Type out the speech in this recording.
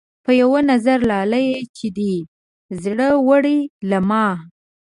پۀ يو نظر لاليه چې دې زړۀ وړے له ما